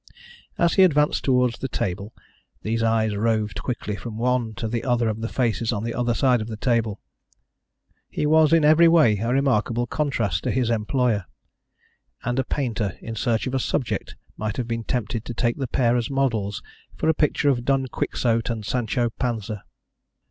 As he advanced towards the table these eyes roved quickly from one to the other of the faces on the other side of the table. He was in every way a remarkable contrast to his employer, and a painter in search of a subject might have been tempted to take the pair as models for a picture of Don Quixote and Sancho Panza.